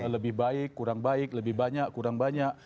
lebih baik kurang baik lebih banyak kurang banyak